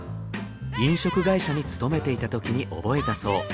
飲食会社に勤めていたときに覚えたそう。